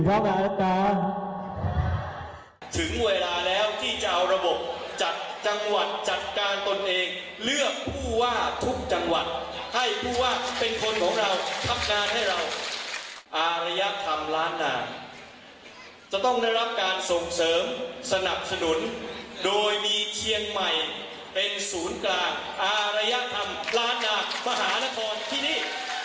อาหารัยธรรมราธนาคจะต้องได้รับการส่งเสริมสนับชนุนโดยมีเชียงใหม่เป็นศูนย์กลางอาหารัยธรรมราธนาคมหานครที่นี่